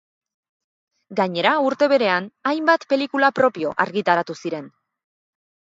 Gainera, urte berean, hainbat pelikula propio argitaratu ziren.